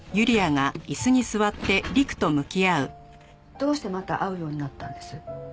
どうしてまた会うようになったんです？